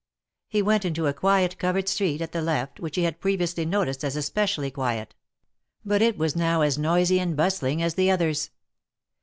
He went into a quiet covered street, at the left, which he had previously noticed as especially quiet; but it was now as noisy and bustling as the others.